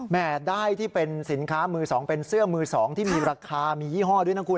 ได้ที่เป็นสินค้ามือ๒เป็นเสื้อมือ๒ที่มีราคามียี่ห้อด้วยนะคุณ